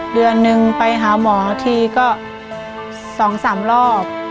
เดือนหนึ่งไปหาหมอทีก็๒๓รอบ